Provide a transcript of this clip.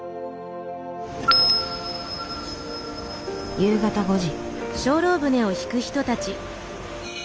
夕方５時。